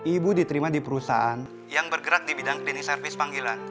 ibu diterima di perusahaan yang bergerak di bidang klinis service panggilan